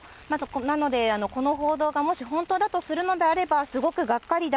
なので、この報道がもし本当だとするのであれば、すごくがっかりだ。